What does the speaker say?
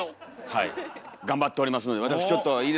はい頑張っておりますので私ちょっといいですか。